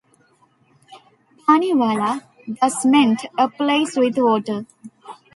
"Pani wala" thus meant "a place with water".